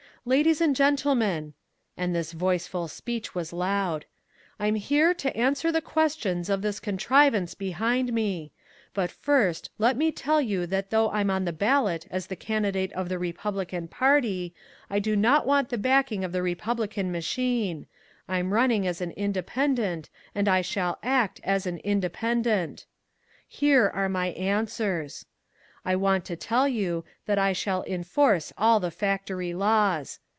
"Ladies and gentlemen," and this Voiceful Speech was loud, "I'm here to answer the questions of this contrivance behind me. But first let me tell you that though I'm on the ballot as the candidate of the Republican party, I do not want the backing of the Republican machine. I'm running as an Independent, and I shall act as an Independent. "Here are my answers: "I want to tell you that I shall enforce all the factory laws.